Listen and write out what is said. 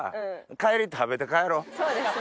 そうですね。